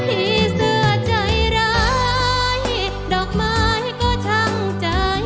ที่เสือใจร้ายดอกไม้ก็ช่างใจอ่อน